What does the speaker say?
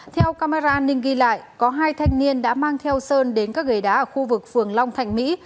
theo camera ninh ghi lại có hai thanh niên đã mang theo sơn đến các ghê đá ở khu vực phường long thạnh mỹ